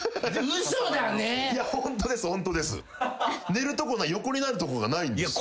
寝るとこ横になるとこがないんですよ。